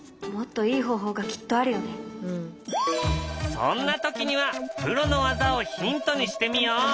そんな時にはプロの技をヒントにしてみよう。